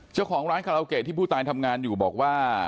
เจ้าของร้านคาราโอเกะที่ผู้ตายทำงานอยู่บอกว่า